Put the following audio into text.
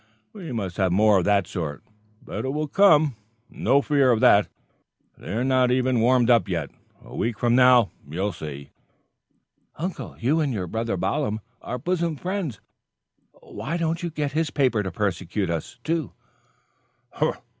We must have more of that sort. But it will come no fear of that; they're not warmed up, yet. A week from now you'll see." "Uncle, you and Brother Balaam are bosom friends why don't you get his paper to persecute us, too?"